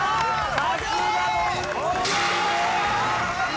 さすが。